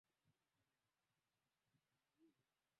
wa Uingereza walihamia Kanada iliyobaki kuwa koloni